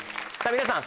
皆さん